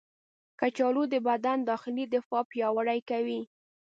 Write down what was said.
کچالو د بدن داخلي دفاع پیاوړې کوي.